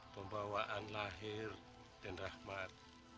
pembawaan lahir dan rahmat